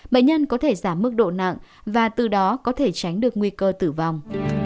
bệnh nhân có thể giảm mức độ nặng và từ đó có thể tránh được nguy cơ tử vong